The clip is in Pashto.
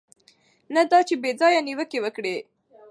نه دا چې بې ځایه نیوکې وکړي.